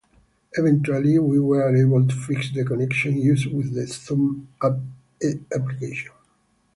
Eventually, we were able to fix the connection issue with the Zoom app.